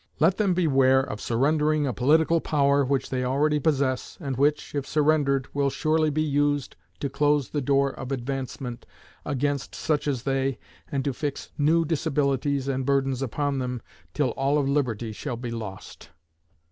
Let them beware of surrendering a political power which they already possess, and which, if surrendered, will surely be used to close the door of advancement against such as they, and to fix new disabilities and burdens upon them till all of liberty shall be lost.